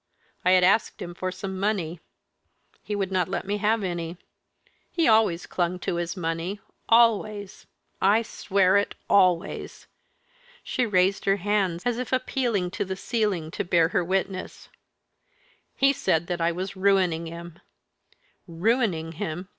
I had asked him for some money. He would not let me have any. He always clung to his money always! I swear it always!" She raised her hands, as if appealing to the ceiling to bear her witness. "He said that I was ruining him. Ruining him?